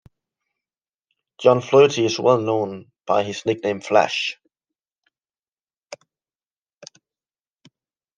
John Flaherty is well known by his nickname Flash.